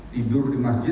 tidur di masjid